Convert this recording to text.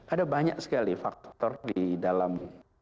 ada banyak sekali faktor di dalam